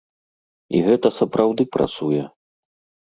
І гэта сапраўды працуе!